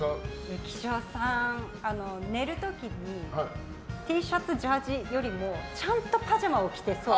浮所さん、寝る時にＴシャツ、ジャージーよりもちゃんとパジャマを着てそう。